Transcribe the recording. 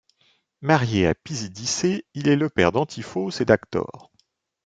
Marié à Pisidicé, il est le père d'Antiphos et d'Actor.